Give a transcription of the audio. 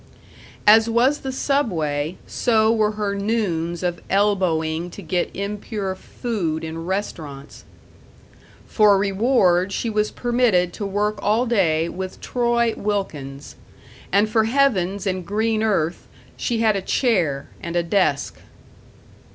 As was the Subway, so were her noons of elbowing to get impure food in restaurants. For reward she was permitted to work all day with Troy Wilkins. And for heavens and green earth, she had a chair and a desk.